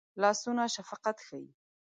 لاسونه شفقت ښيي